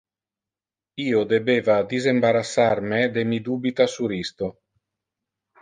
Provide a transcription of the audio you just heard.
Io debeva disembarassar me de mi dubita sur isto.